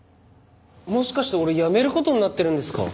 もしかして俺辞める事になってるんですか？